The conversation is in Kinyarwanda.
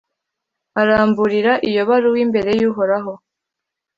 Aramburira iyo baruwa imbere y’Uhoraho,